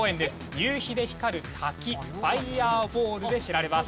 夕日で光る滝ファイアフォールで知られます。